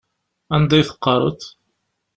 Anda i teqqareḍ?